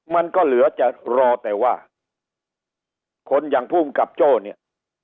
มันก็เหลือจะรอแต่ว่าคนอย่างภูมิกับโจ้เนี่ย